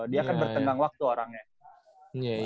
dia kan bertenggang waktu orangnya